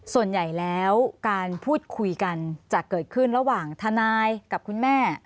ส่วนใหญ่แล้วการพูดคุยกันจะเกิดขึ้นระหว่างทนายกับคุณแม่